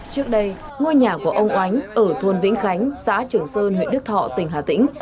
trước đây ngôi nhà của ông oánh ở thôn vĩnh khánh xã trường sơn huyện đức thọ tỉnh hà tĩnh